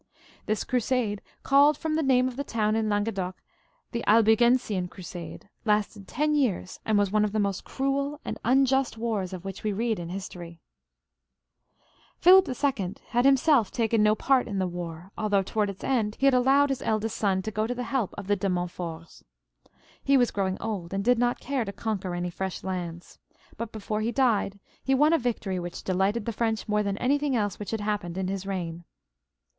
This crusade, called from the name of a town in Lan guedoc the Albigensian Crusade, lasted ten years, and was one of the most cruel and unjust wars of which we read inhistoiy. Philip IL had himself taken no part in the war, although towards its end he had allowed his eldest son to go to the xviL] PHILIP IL {A UGUSTE). 107 help of the De Montforts. He was growing old, and did not care to conquer any fresh lands. But before he died he won a victory which delighted the French more than anything else which had happened in his reign.